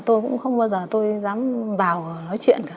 tôi cũng không bao giờ tôi dám vào nói chuyện cả